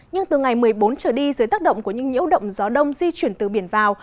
nhưng từ ngày một mươi bốn trở đi dưới tác động của những nhiễu động gió đông di chuyển từ biển vào